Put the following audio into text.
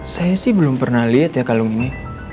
saya sih belum pernah lihat ya kalung ini